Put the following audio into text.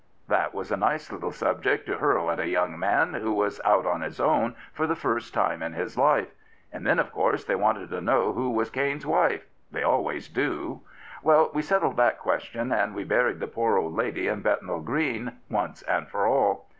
* That was a nice little subject to hurl at a young man who was out ' on his own * for the first time in his life. And then, of course, they wanted to know who was Cain's wife — they always do. Well, we settled that question, and we buried the poor old lady in Bethnal Green, once and for all."